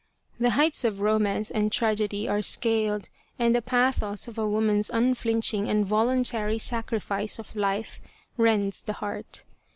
The heights of romance and tragedy are scaled, and the pathos of a woman's unflinching and voluntary sacrifice of life, rends the heart.